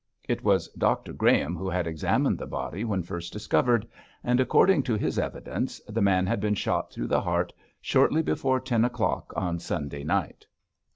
It was Dr Graham who had examined the body when first discovered, and according to his evidence the man had been shot through the heart shortly before ten o'clock on Sunday night.